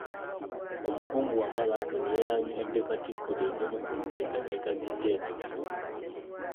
Omukungu Wamala Anthony yayanjulidde Katikkiro ezimu ku nteekateeka z’ettendekero.